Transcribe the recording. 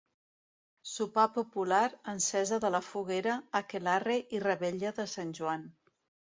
Sopar popular, encesa de la foguera, aquelarre i revetlla de Sant Joan.